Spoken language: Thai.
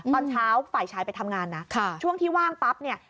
ตอนเช้าฝ่ายชายไปทำงานนะช่วงที่ว่างปั๊บเนี่ย